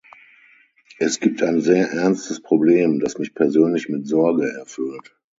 Es gibt ein sehr ernstes Problem, das mich persönlich mit Sorge erfüllt.